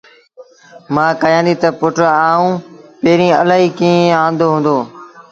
مآ ڪهيآݩديٚ تا پُٽ آئوݩ پيريٚݩ اَلهيٚ ڪيٚݩ آݩدو هُݩدو